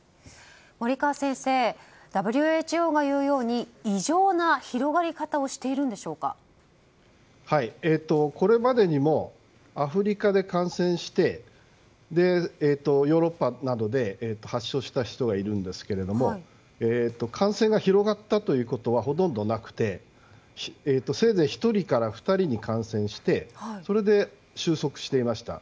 森川先生、ＷＨＯが言うように異常な広がり方をこれまでにもアフリカで感染してヨーロッパなどで発症した人がいるんですけども感染が広がったということはほとんどなくてせいぜい１人から２人に感染してそれで収束していました。